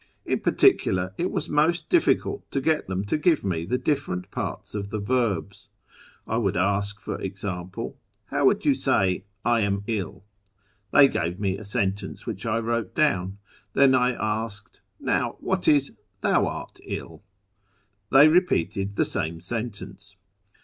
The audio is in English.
In j)articular, it was most difficult to get them to give'' me the different parts of the verbs. I would ask, for example, " How would you say, 'lam ill ?'" They gave me a sentence which I wrote down. Then I asked, " Now, what is ' thou art ill ?'" They repeated the same sentence.